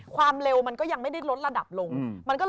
ความเร็วยังแต่ลดระดับยังลง